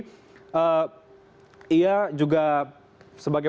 ia juga sebagai menteri pertahanan